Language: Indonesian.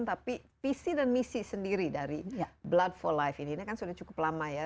tapi visi dan misi sendiri dari blood for life ini kan sudah cukup lama ya